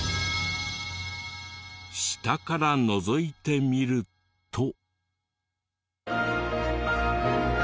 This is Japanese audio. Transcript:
下からのぞいてみると。